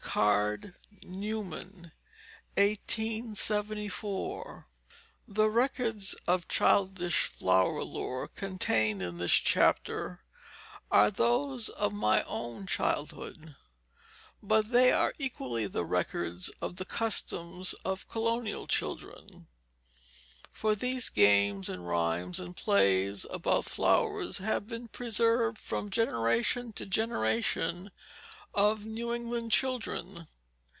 Card. Newman, 1874._ The records of childish flower lore contained in this chapter are those of my own childhood; but they are equally the records of the customs of colonial children, for these games and rhymes and plays about flowers have been preserved from generation to generation of New England children.